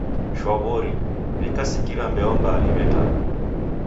Shwa w'ori, w'ikasikira mbeo mbaa iw'etagha.